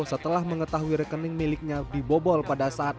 setelah mengetahui rekening miliknya dibobol pada saat